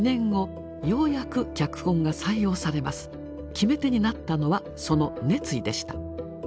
決め手になったのはその熱意でした。